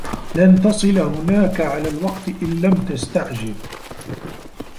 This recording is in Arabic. لن تصل هناك على الوقت إن لم تستعجل.